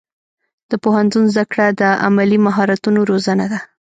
د پوهنتون زده کړه د عملي مهارتونو روزنه ده.